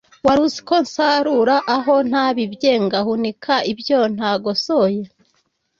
wari uzi ko nsarura aho ntabibye ngahunika ibyo ntagosoye